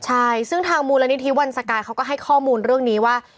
ใช่ซึ่งทางมูลนิธิวันสกายเขาก็ให้ข้อมูลเรื่องนี้ว่า